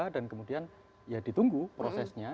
dan kemudian ya ditunggu prosesnya